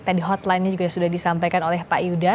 tadi hotline nya juga sudah disampaikan oleh pak yuda